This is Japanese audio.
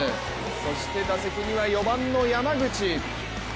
そして打席には４番の山口。